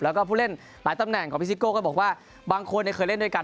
แล้วก็ผู้เล่นหลายตำแหน่งของพี่ซิโก้ก็บอกว่าบางคนเคยเล่นด้วยกัน